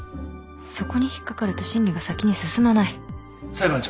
そこに引っ掛かると審理が先に進まない裁判長。